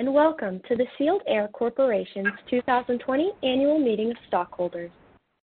Hey, welcome to the Sealed Air Corporation's 2020 annual meeting of stockholders.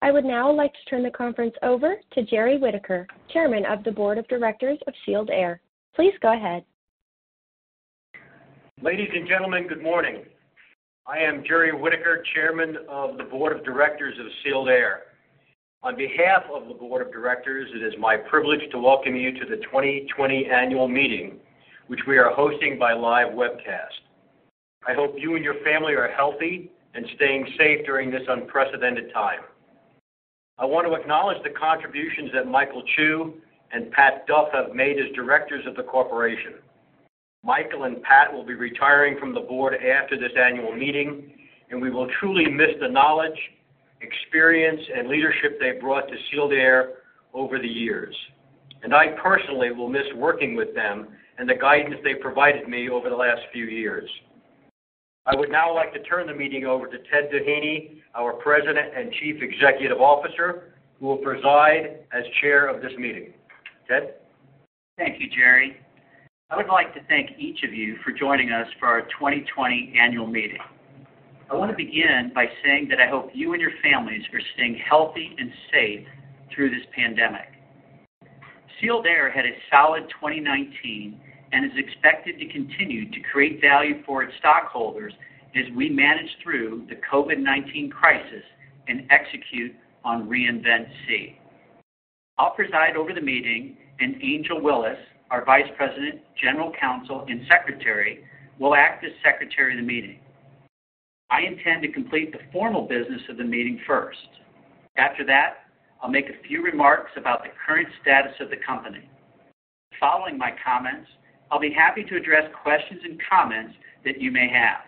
I would now like to turn the conference over to Jerry Whitaker, Chairman of the Board of Directors of Sealed Air. Please go ahead. Ladies and gentlemen, good morning. I am Jerry Whitaker, Chairman of the Board of Directors of Sealed Air. On behalf of the Board of Directors, it is my privilege to welcome you to the 2020 annual meeting, which we are hosting by live webcast. I hope you and your family are healthy and staying safe during this unprecedented time. I want to acknowledge the contributions that Michael Chu and Pat Duff have made as directors of the Corporation. Michael and Pat will be retiring from the Board after this annual meeting, we will truly miss the knowledge, experience, and leadership they brought to Sealed Air over the years. I personally will miss working with them and the guidance they provided me over the last few years. I would now like to turn the meeting over to Ted Doheny, our President and Chief Executive Officer, who will preside as chair of this meeting. Ted? Thank you, Jerry. I would like to thank each of you for joining us for our 2020 annual meeting. I want to begin by saying that I hope you and your families are staying healthy and safe through this pandemic. Sealed Air had a solid 2019 and is expected to continue to create value for its stockholders as we manage through the COVID-19 crisis and execute on Reinvent SEE. I'll preside over the meeting, and Angel Willis, our Vice President, General Counsel, and Secretary, will act as secretary of the meeting. I intend to complete the formal business of the meeting first. After that, I'll make a few remarks about the current status of the company. Following my comments, I'll be happy to address questions and comments that you may have.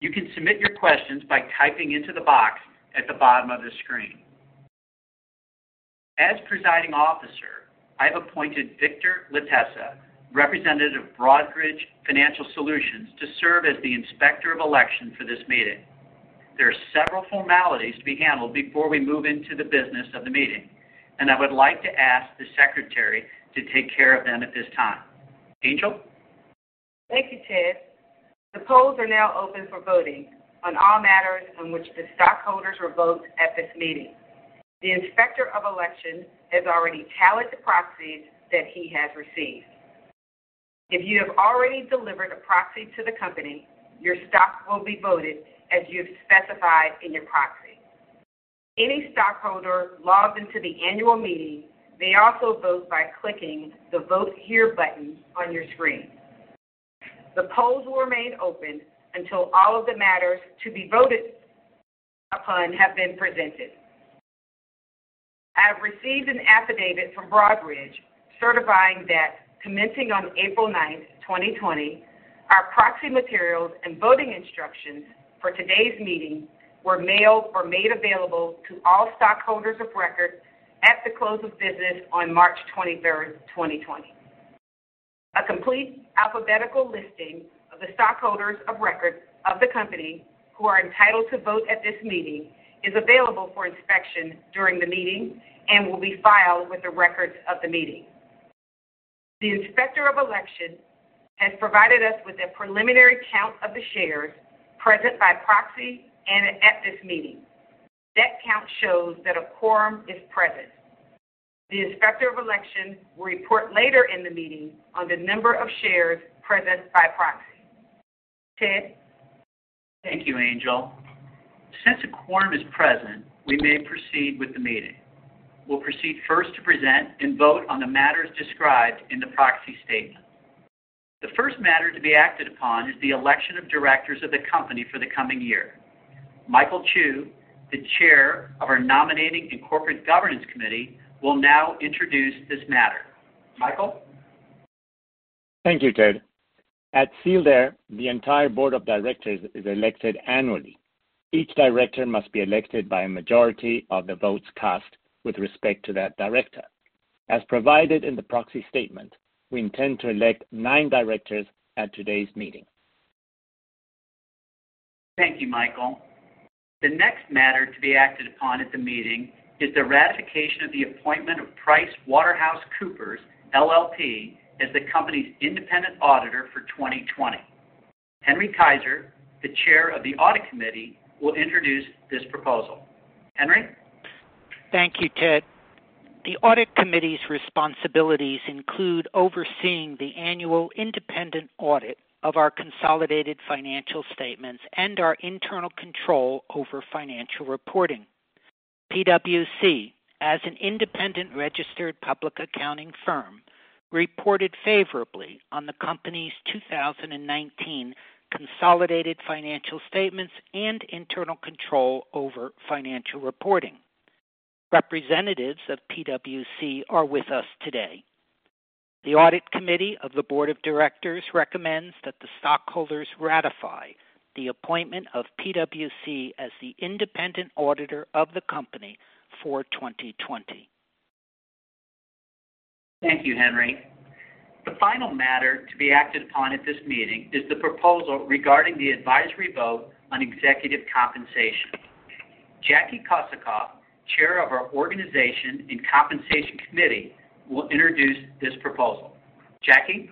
You can submit your questions by typing into the box at the bottom of the screen. As presiding officer, I've appointed Victor Lattesa, Representative of Broadridge Financial Solutions, to serve as the Inspector of Election for this meeting. There are several formalities to be handled before we move into the business of the meeting, and I would like to ask the Secretary to take care of them at this time. Angel? Thank you, Ted. The polls are now open for voting on all matters on which the stockholders will vote at this meeting. The Inspector of Election has already tallied the proxies that he has received. If you have already delivered a proxy to the company, your stock will be voted as you've specified in your proxy. Any stockholder logged into the annual meeting may also vote by clicking the Vote Here button on your screen. The polls will remain open until all of the matters to be voted upon have been presented. I have received an affidavit from Broadridge certifying that commencing on April 9, 2020, our proxy materials and voting instructions for today's meeting were mailed or made available to all stockholders of record at the close of business on March 23, 2020. A complete alphabetical listing of the stockholders of record of the company who are entitled to vote at this meeting is available for inspection during the meeting and will be filed with the records of the meeting. The Inspector of Election has provided us with a preliminary count of the shares present by proxy and at this meeting. That count shows that a quorum is present. The Inspector of Election will report later in the meeting on the number of shares present by proxy. Ted? Thank you, Angel. Since a quorum is present, we may proceed with the meeting. We'll proceed first to present and vote on the matters described in the proxy statement. The first matter to be acted upon is the election of directors of the company for the coming year. Michael Chu, the Chair of our Nominating and Corporate Governance Committee, will now introduce this matter. Michael? Thank you, Ted. At Sealed Air, the entire board of directors is elected annually. Each director must be elected by a majority of the votes cast with respect to that director. As provided in the proxy statement, we intend to elect nine directors at today's meeting. Thank you, Michael. The next matter to be acted upon at the meeting is the ratification of the appointment of PricewaterhouseCoopers LLP as the company's independent auditor for 2020. Henry Keizer, the Chair of the Audit Committee, will introduce this proposal. Henry? Thank you, Ted. The Audit Committee's responsibilities include overseeing the annual independent audit of our consolidated financial statements and our internal control over financial reporting. PwC, as an independent registered public accounting firm, reported favorably on the company's 2019 consolidated financial statements and internal control over financial reporting. Representatives of PwC are with us today. The Audit Committee of the board of directors recommends that the stockholders ratify the appointment of PwC as the independent auditor of the company for 2020. Thank you, Henry. The final matter to be acted upon at this meeting is the proposal regarding the advisory vote on executive compensation. Jackie Kosecoff, Chair of our Organization and Compensation Committee, will introduce this proposal. Jackie?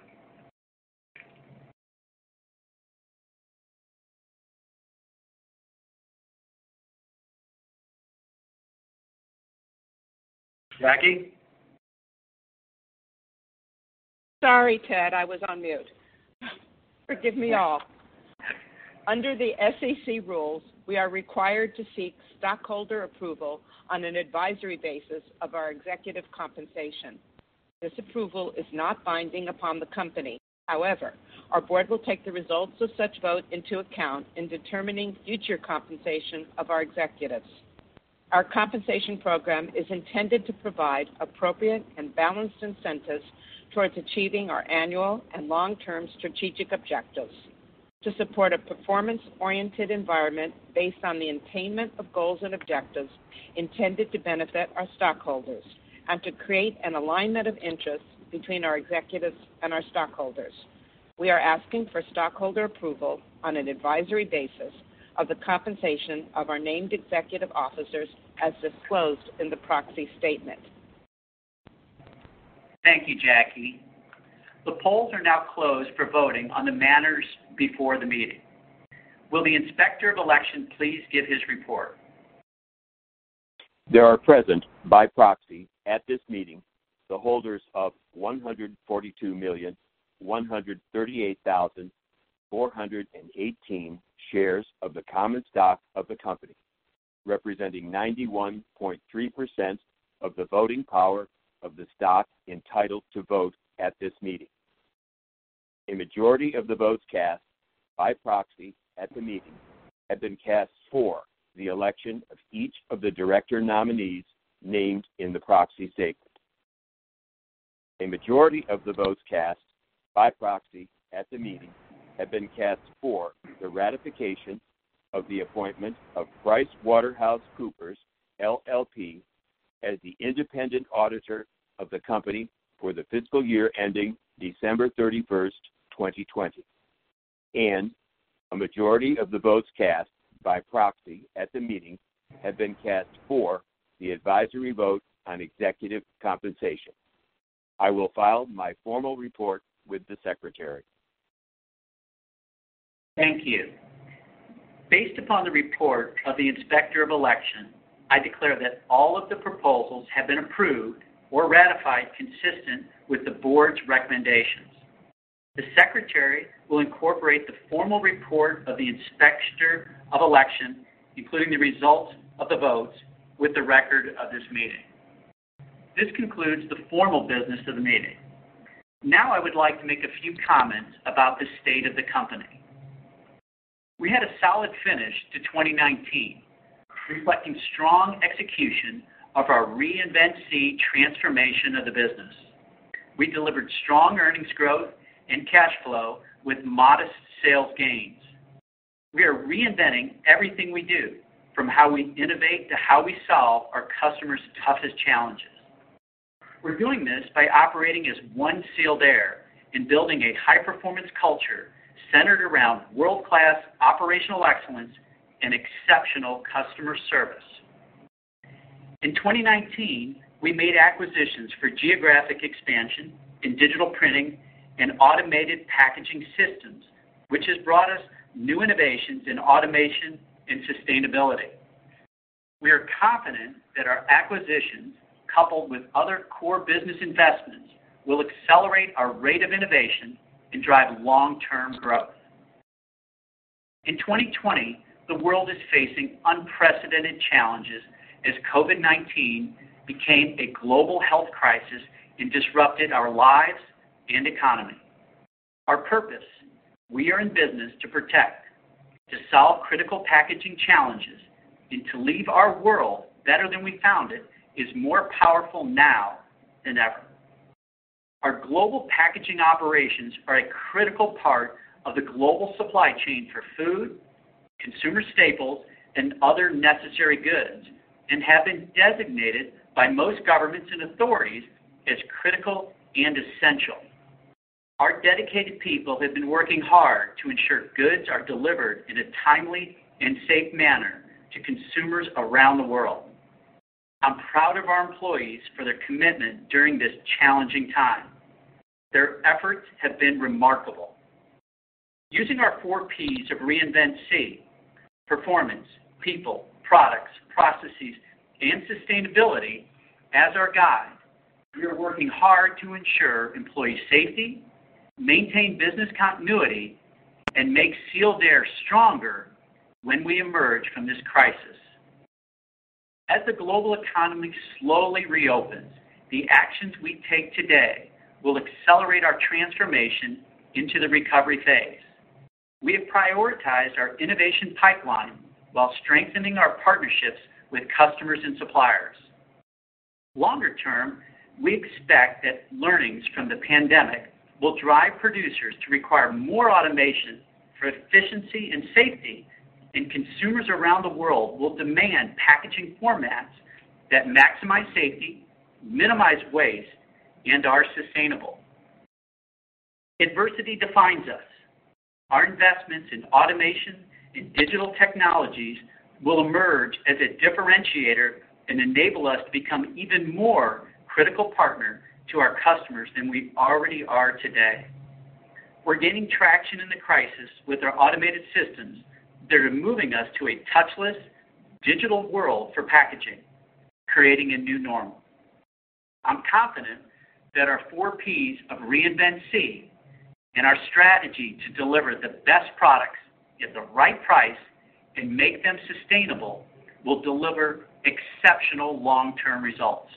Jackie? Sorry, Ted, I was on mute. Forgive me all. Under the SEC rules, we are required to seek stockholder approval on an advisory basis of our executive compensation. This approval is not binding upon the company. Our Board will take the results of such vote into account in determining future compensation of our executives. Our compensation program is intended to provide appropriate and balanced incentives towards achieving our annual and long-term strategic objectives to support a performance-oriented environment based on the attainment of goals and objectives intended to benefit our stockholders and to create an alignment of interests between our executives and our stockholders. We are asking for stockholder approval on an advisory basis of the compensation of our named executive officers as disclosed in the proxy statement. Thank you, Jackie. The polls are now closed for voting on the matters before the meeting. Will the Inspector of Election please give his report? There are present by proxy at this meeting the holders of 142,138,418 shares of the common stock of the company, representing 91.3% of the voting power of the stock entitled to vote at this meeting. A majority of the votes cast by proxy at the meeting have been cast for the election of each of the director nominees named in the proxy statement. A majority of the votes cast by proxy at the meeting have been cast for the ratification of the appointment of PricewaterhouseCoopers LLP as the independent auditor of the company for the fiscal year ending December 31st, 2020. A majority of the votes cast by proxy at the meeting have been cast for the advisory vote on executive compensation. I will file my formal report with the Secretary. Thank you. Based upon the report of the Inspector of Election, I declare that all of the proposals have been approved or ratified consistent with the board's recommendations. The Secretary will incorporate the formal report of the Inspector of Election, including the results of the votes, with the record of this meeting. This concludes the formal business of the meeting. I would like to make a few comments about the state of the company. We had a solid finish to 2019, reflecting strong execution of our Reinvent SEE transformation of the business. We delivered strong earnings growth and cash flow with modest sales gains. We are reinventing everything we do, from how we innovate to how we solve our customers' toughest challenges. We're doing this by operating as one Sealed Air and building a high-performance culture centered around world-class operational excellence and exceptional customer service. In 2019, we made acquisitions for geographic expansion in digital printing and automated packaging systems, which has brought us new innovations in automation and sustainability. We are confident that our acquisitions, coupled with other core business investments, will accelerate our rate of innovation and drive long-term growth. In 2020, the world is facing unprecedented challenges as COVID-19 became a global health crisis and disrupted our lives and economy. Our purpose, we are in business to protect, to solve critical packaging challenges, and to leave our world better than we found it, is more powerful now than ever. Our global packaging operations are a critical part of the global supply chain for food, consumer staples, and other necessary goods, and have been designated by most governments and authorities as critical and essential. Our dedicated people have been working hard to ensure goods are delivered in a timely and safe manner to consumers around the world. I'm proud of our employees for their commitment during this challenging time. Their efforts have been remarkable. Using our four Ps of Reinvent SEE, performance, people, products, processes, and sustainability as our guide, we are working hard to ensure employee safety, maintain business continuity, and make Sealed Air stronger when we emerge from this crisis. As the global economy slowly reopens, the actions we take today will accelerate our transformation into the recovery phase. We have prioritized our innovation pipeline while strengthening our partnerships with customers and suppliers. Longer term, we expect that learnings from the pandemic will drive producers to require more automation for efficiency and safety, and consumers around the world will demand packaging formats that maximize safety, minimize waste, and are sustainable. Adversity defines us. Our investments in automation and digital technologies will emerge as a differentiator and enable us to become an even more critical partner to our customers than we already are today. We're gaining traction in the crisis with our automated systems that are moving us to a touchless digital world for packaging, creating a new normal. I'm confident that our four Ps of Reinvent SEE and our strategy to deliver the best products at the right price and make them sustainable will deliver exceptional long-term results.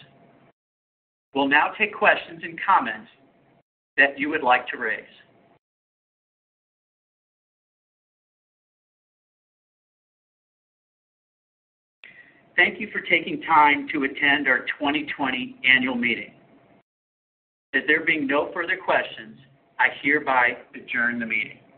We'll now take questions and comments that you would like to raise. Thank you for taking time to attend our 2020 annual meeting. There being no further questions, I hereby adjourn the meeting.